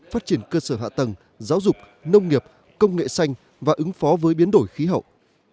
phát triển cơ sở hạ tầng giáo dục nông nghiệp công nghệ xanh và ứng phó với biến đổi khí hậu